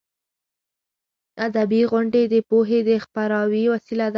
ادبي غونډې د پوهې د خپراوي وسیله ده.